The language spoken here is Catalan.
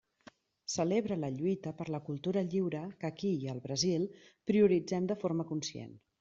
Celebra la lluita per la cultura lliure que aquí i al Brasil prioritzem de forma conscient.